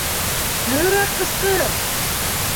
Нығыраҡ ҡысҡыр!